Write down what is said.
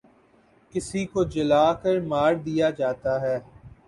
کسی کو جلا کر مار دیا جاتا ہے